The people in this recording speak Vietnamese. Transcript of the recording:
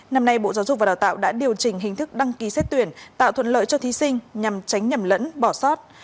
năm nay bộ giáo dục và đào tạo đã điều chỉnh hình thức đăng ký xét tuyển tạo thuận lợi cho thí sinh nhằm tránh nhầm lẫn bỏ sót